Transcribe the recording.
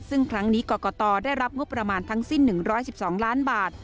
ซึ่งครั้งนี้กรกตได้รับงบประมาณทั้งสิ้น๑๑๒ล้านบาท